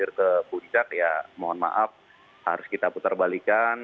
terakhir ke puncak ya mohon maaf harus kita putar balikan